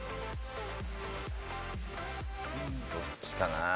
どっちかな？